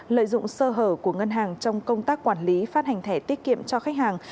lợi dụng sơ hở của ngân hàng trong công tác quản lý phát hành thẻ tiết kiệm cho khách hàng